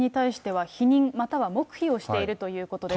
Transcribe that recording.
取り調べに対しては、否認、または黙秘をしているということです。